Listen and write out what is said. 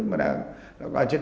mà đã gọi chết